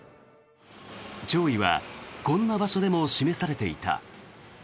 弔意はこんな場所でも示されていた。